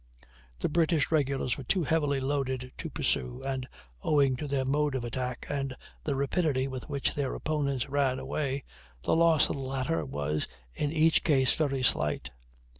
The British regulars were too heavily loaded to pursue, and, owing to their mode of attack, and the rapidity with which their opponents ran away, the loss of the latter was in each case very slight.